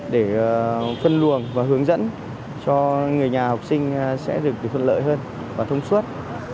để phân luồng và hướng dẫn cho người nhà học sinh sẽ được thuận lợi hơn và thông suốt